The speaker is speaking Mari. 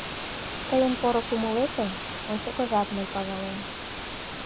Тыйын поро кумылетым ончыкыжат мый пагалем.